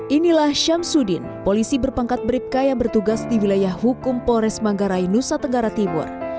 inilah syamsuddin polisi berpangkat beribka yang bertugas di wilayah hukum polres manggarai nusa tenggara timur